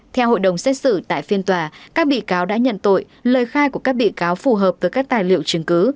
theo hội đồng xét xử tại phiên tòa các bị cáo đã nhận tội lời khai của các bị cáo phù hợp với các tài liệu chứng cứ